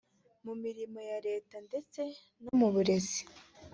mu mirimo ya leta ndetse no mu burezi